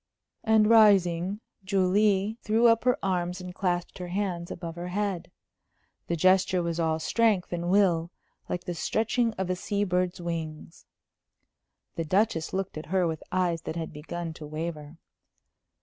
And, rising, Julie threw up her arms and clasped her hands above her head. The gesture was all strength and will, like the stretching of a sea bird's wings. The Duchess looked at her with eyes that had begun to waver.